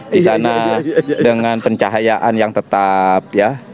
di sana dengan pencahayaan yang tetap ya